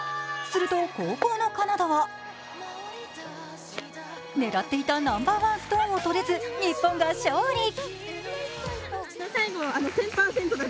すると後攻のカナダは狙っていたナンバーワンストーンを取れず、日本が勝利。